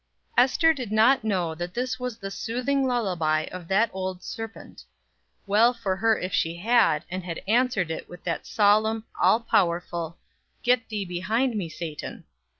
Ester did not know that this was the soothing lullaby of the old Serpent. Well for her if she had, and had answered it with that solemn, all powerful "Get thee behind me, Satan."